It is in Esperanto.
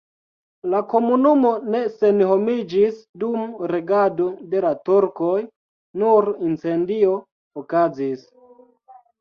La komunumo ne senhomiĝis dum regado de la turkoj, nur incendio okazis.